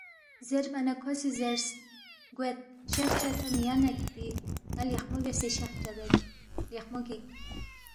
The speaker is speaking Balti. زیربا نہ کھو سی زیرس، گوید، شخ چدپا مِہ یَنا کِھتی، ن٘ا لیخمو بیاسے شخ چدید، لیخمو گِک